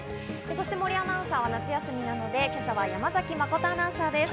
そして森アナウンサーは夏休みなので、今朝は山崎誠アナウンサーです。